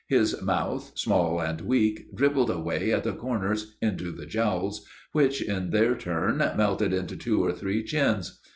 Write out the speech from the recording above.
His mouth, small and weak, dribbled away at the corners into the jowls which, in their turn, melted into two or three chins.